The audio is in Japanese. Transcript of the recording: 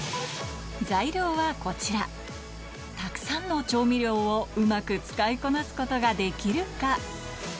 材料はこちらたくさんの調味料をうまく使いこなすことができるか？